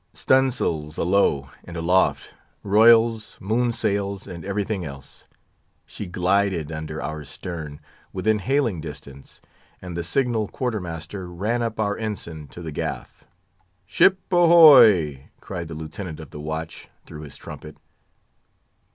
Stun' sails alow and aloft; royals, moon sails, and everything else. She glided under our stern, within hailing distance, and the signal quarter master ran up our ensign to the gaff. "Ship ahoy!" cried the Lieutenant of the Watch, through his trumpet.